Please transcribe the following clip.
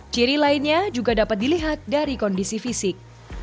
ciri lainnya juga dapat dilihat dari kondisi fisik